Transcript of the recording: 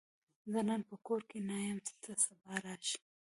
زه نن په کور کې نه یم، ته سبا راشه!